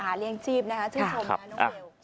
เลี้ยงชีพนะคะชื่นชมนะน้องเบล